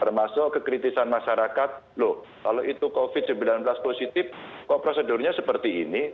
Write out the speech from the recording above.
termasuk kekritisan masyarakat loh kalau itu covid sembilan belas positif kok prosedurnya seperti ini